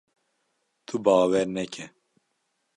Tu bawer neke!